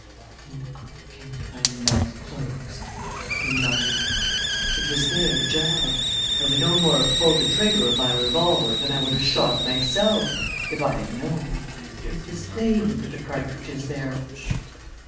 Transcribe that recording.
"And I kept my mouth closed!" he muttered. "It was their job. I would no more have pulled the trigger of my revolver than I would have shot myself if I had known. It was they who put the cartridges there!"